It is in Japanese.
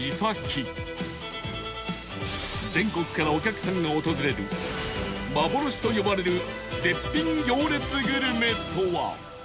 全国からお客さんが訪れる幻と呼ばれる絶品行列グルメとは？